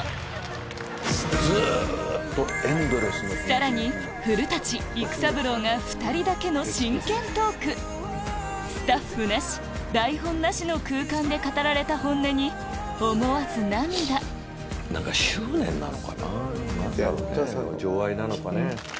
さらに古育三郎が２人だけの真剣トークスタッフなし台本なしの空間で語られた本音に思わず涙執念なのかな何だろうね情愛なのかね。